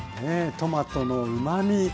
トマトのうまみ。